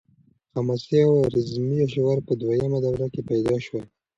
حماسي او رزمي اشعار په دویمه دوره کې پیدا شول.